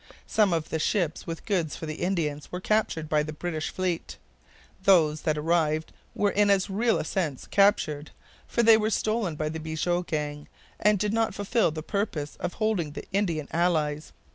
Some of the ships with goods for the Indians were captured by the British fleet. Those that arrived were in as real a sense captured, for they were stolen by the Bigot gang, and did not fulfil the purpose of holding the Indian allies.